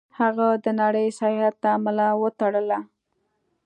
هغه د نړۍ سیاحت ته ملا وتړله.